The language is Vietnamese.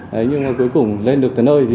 đấy nhưng mà cuối cùng lên được tới nơi thì